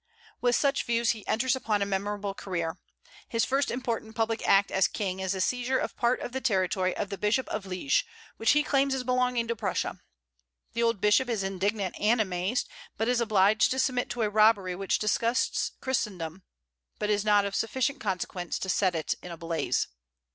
With such views he enters upon a memorable career. His first important public act as king is the seizure of part of the territory of the Bishop of Liege, which he claims as belonging to Prussia. The old bishop is indignant and amazed, but is obliged to submit to a robbery which disgusts Christendom, but is not of sufficient consequence to set it in a blaze.